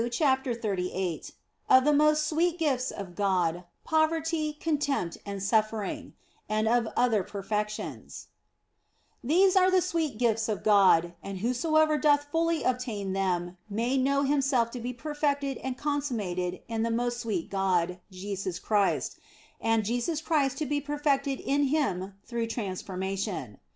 CHAPTER XXXVIII OF THE MOST SWEET GIFTS OF GOD, POVERTY, CONTEMPT, AND SUFFERING ; AND OF OTHER PERFECTIONS THESE are the sweet gifts of God, and whosoever doth fully obtain them may know himself to be perfected and consummated in the most sweet God, Jesus Christ, and Jesus Christ to be perfected in him through transforma tion.